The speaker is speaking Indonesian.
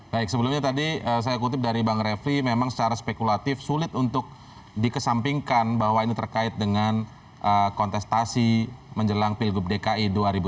baik sebelumnya tadi saya kutip dari bang refli memang secara spekulatif sulit untuk dikesampingkan bahwa ini terkait dengan kontestasi menjelang pilgub dki dua ribu delapan belas